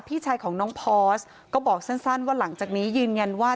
พี่ชายของน้องพอร์สก็บอกสั้นว่าหลังจากนี้ยืนยันว่า